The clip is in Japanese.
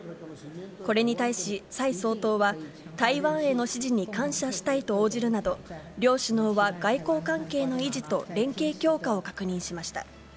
これに対し蔡総統は、台湾への支持に感謝したいと応じるなど、両首脳は外交関係の維持と連携強化を確認しました。